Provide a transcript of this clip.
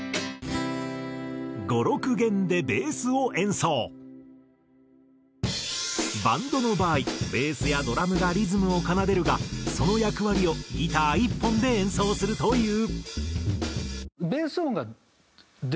更にバンドの場合ベースやドラムがリズムを奏でるがその役割をギター１本で演奏するという。